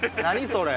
それ。